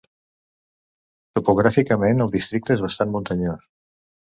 Topogràficament, el districte és bastant muntanyós.